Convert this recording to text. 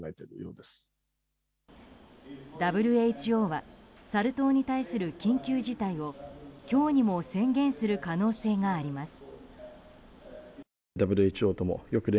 ＷＨＯはサル痘に対する緊急事態を今日にも宣言する可能性があります。